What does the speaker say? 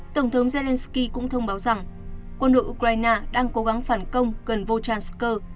tổng thống zelensky cũng thông báo rằng quân đội ukraine đang cố gắng phản công gần vojansk